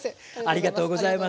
ありがとうございます。